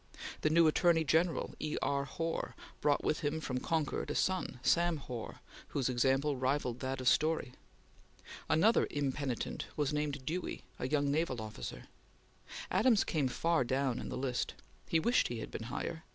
The new Attorney General, E. R. Hoar, brought with him from Concord a son, Sam Hoar, whose example rivalled that of Storey. Another impenitent was named Dewey, a young naval officer. Adams came far down in the list. He wished he had been higher.